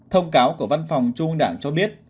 thông cáo của văn phòng trung ương đảng cho biết